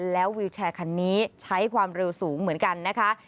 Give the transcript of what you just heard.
แล้ววิวแชร์คันนี้ใช้ความเร็วสูงเหมือนกันนะคะ